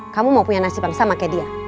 kamu mau punya nasib yang sama kayak dia